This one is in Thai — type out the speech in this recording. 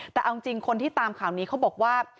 แต่เอาจริงคนที่ตามข่าวนี้เขาบอกว่า